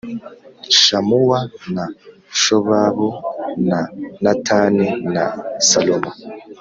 Shamuwa na Shobabu, na Natani na Salomo,